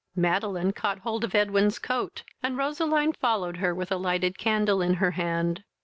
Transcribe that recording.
Madeline caught hold of Edwin's coat, and Roseline followed her with a lighted candle in her hand.